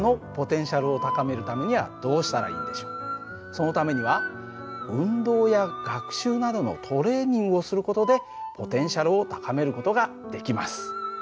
そのためには運動や学習などのトレーニングをする事でポテンシャルを高める事ができます。